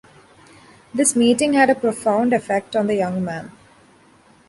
This meeting had a profound effect on the young man.